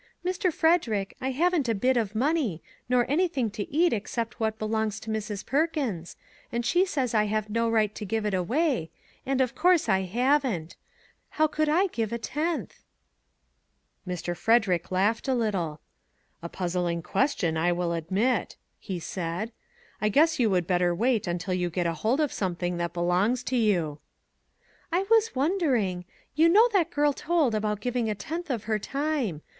" Mr. Frederick, I haven't a bit of money, nor anything to eat except what belongs to Mrs. Perkins, and she says I have no right to give it away, and, of course, I haven't; how could I give a tenth ?" 180 NEW IDEAS Mr. Frederick laughed a little. " A puzzling question, I will admit !" he said. " I guess you would better wait until you get hold of something that belongs to you." " I was wondering. You know that girl told about giving a tenth of her time.